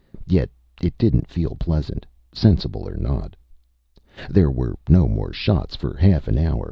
Yet it didn't feel pleasant, sensible or not. There were no more shots for half an hour.